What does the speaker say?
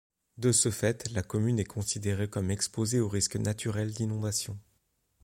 De ce fait la commune est considérée comme exposée au risque naturel d'inondation.